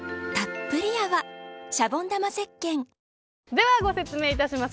では、ご説明します。